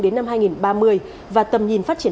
đến năm hai nghìn ba mươi và tầm nhìn phát triển